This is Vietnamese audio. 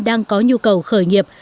đang có nhu cầu khởi nghiệp